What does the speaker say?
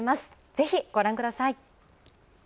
ぜひ、ご覧ください。